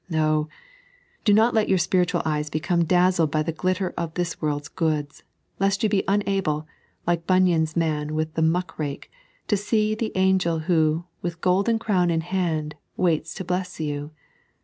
Oh, do not let your spiritual eyee become dazzled by the glitter of this world's goods, lest you be unable, like Banyan's man with the muck<rake, to see the angel who, with golden crown in band, waits to bless you.